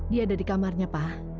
dia ada di kamarnya pak